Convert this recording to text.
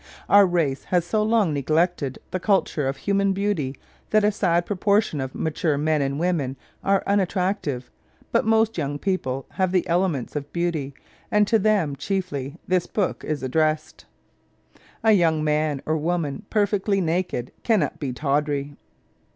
Our race has so long neglected the culture of human beauty that a sad proportion of mature men and women are unattractive; but most young people have the elements of beauty, and to them chiefly this book is addressed. A young man or woman perfectly naked cannot be tawdry.